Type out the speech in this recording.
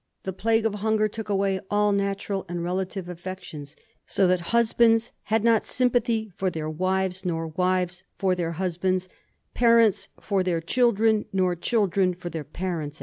The plague of hunger took away all natural and relative aflPections, * so that husbands had not sym pathy for their wives, nor wives for their husbands, parents for their children, nor children for their parents.'